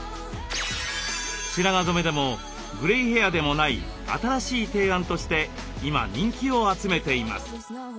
白髪染めでもグレイヘアでもない新しい提案として今人気を集めています。